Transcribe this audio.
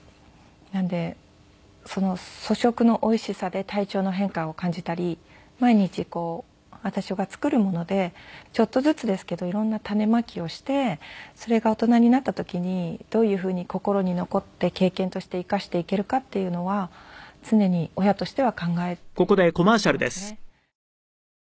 なのでその粗食のおいしさで体調の変化を感じたり毎日こう私が作るものでちょっとずつですけど色んな種まきをしてそれが大人になった時にどういうふうに心に残って経験として生かしていけるかっていうのは常に親としては考えて生きていますね。